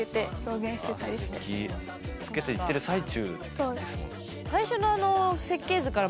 そうです。